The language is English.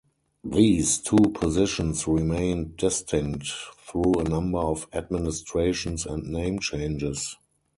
These two positions remained distinct through a number of administrations and name changes.